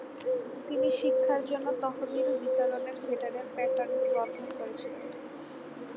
তিনি শিক্ষার জন্য তহবিল বিতরণের ফেডারেল প্যাটার্নগুলি অধ্যয়ন করেছিলেন।